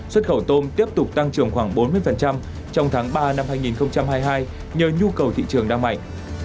xuất khẩu tôm tiếp tục tăng trưởng khoảng bốn mươi trong tháng ba năm hai nghìn hai mươi hai nhờ nhu cầu thị trường đang mạnh